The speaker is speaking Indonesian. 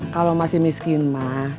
kalau masih miskin ma